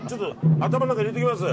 頭の中入れておきます。